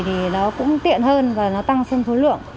thì nó cũng tiện hơn và nó tăng thêm số lượng